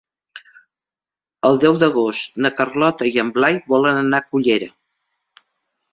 El deu d'agost na Carlota i en Blai volen anar a Cullera.